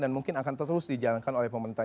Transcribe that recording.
dan mungkin akan terus dijalankan oleh pemerintah